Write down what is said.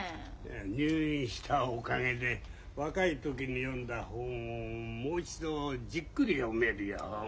入院したおかげで若い時に読んだ本をもう一度じっくり読めるよ。